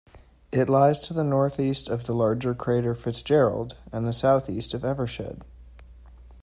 It lies to the northeast of the larger crater Fitzgerald, and southeast of Evershed.